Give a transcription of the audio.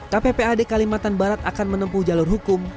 kp pad kalimantan barat akan menempuh jalur hukum